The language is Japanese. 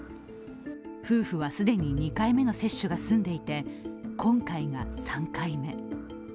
夫婦は既に２回目の接種が済んでいて、今回が３回目。